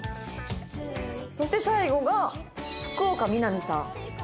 そして最後が福岡みなみさん。